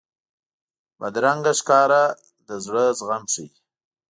بدرنګه ښکاره د زړه غم ښيي